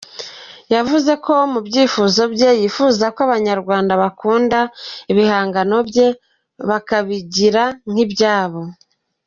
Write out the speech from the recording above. Yavuze ko mu byifuzo bye, yifuza ko abanyarwanda bakunda ibihangano bye bakabigira nk’ibyabo.